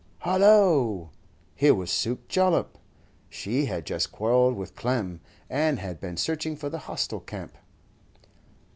Hollo! Here was Suke Jollop! She had just quarrelled with Clem, and had been searching for the hostile camp.